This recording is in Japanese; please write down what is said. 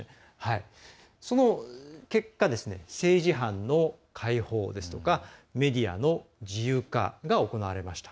その結果、政治犯の解放ですとかメディアの自由化が行われました。